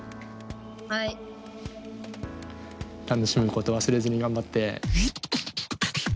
楽しむこと忘れずに頑張って。